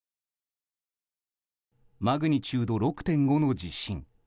マグニチュード６．５の地震。